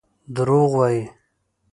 دروغ وايي.